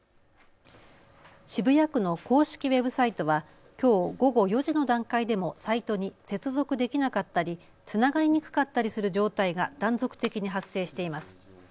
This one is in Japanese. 渋谷区の公式ウェブサイトはきょう午後４時の段階でもサイトに接続できなかったりつながりにくかったりする状態が断続的に発生しています。